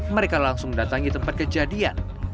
mereka langsung mendatangi tempat kejadian